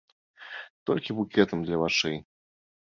Толькі букетам для вачэй.